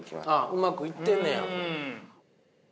うまくいってんねや。